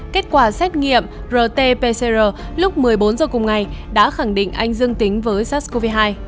kết quả xét nghiệm rt pcr lúc một mươi bốn h cùng ngày đã khẳng định anh dương tính với sars cov hai